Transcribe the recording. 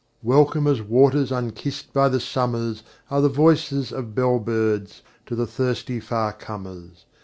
Welcome as waters unkissed by the summers Are the voices of bell birds to the thirsty far comers.